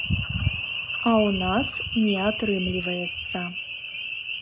А ў нас не атрымліваецца.